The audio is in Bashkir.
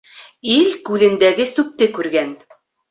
Ил күҙендәге сүпте күргән.